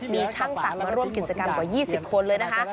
มีช่างศักดิ์มาร่วมกิจกรรมกว่า๒๐คนเลยนะคะ